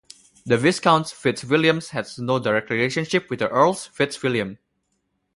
The Viscounts FitzWilliam had no direct relationship with the Earls FitzWilliam.